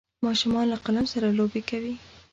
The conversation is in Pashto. ماشومان له قلم سره لوبې کوي.